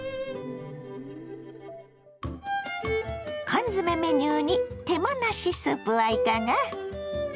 缶詰メニューに手間なしスープはいかが。